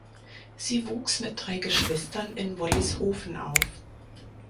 Sie wuchs mit drei Geschwistern in Wollishofen auf.